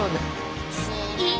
えっ？